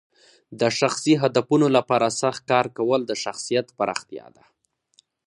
د شخصي هدفونو لپاره سخت کار کول د شخصیت پراختیا ده.